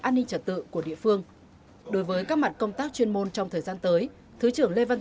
an ninh trật tự của địa phương đối với các mặt công tác chuyên môn trong thời gian tới thứ trưởng lê văn